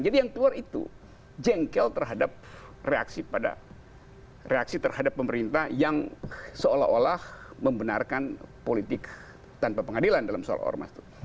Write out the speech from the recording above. jadi yang keluar itu jengkel terhadap reaksi terhadap pemerintah yang seolah olah membenarkan politik tanpa pengadilan dalam soal ormas